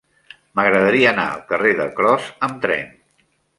M'agradaria anar al carrer de Cros amb tren.